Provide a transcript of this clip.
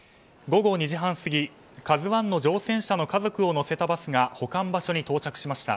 午後２時半過ぎ「ＫＡＺＵ１」の乗船者の家族を乗せたバスが保管場所に到着しました。